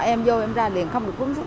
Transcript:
em vô em ra liền không được bước xuống